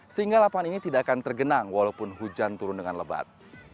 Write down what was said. sehingga lapangan ini tidak akan tergenang walaupun hujan turun dengan lebat